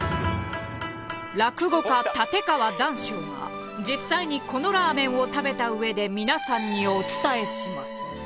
落語家立川談笑が実際にこのラーメンを食べた上で皆さんにお伝えします。